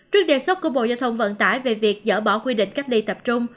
trước đề xuất của bộ giao thông vận tải về việc dỡ bỏ quy định cách ly tập trung